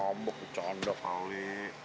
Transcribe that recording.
lo ngambek kecanda kali